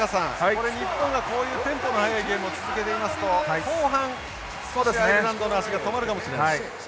これ日本がこういうテンポの速いゲームを続けていますと後半アイルランドの足が止まるかもしれない。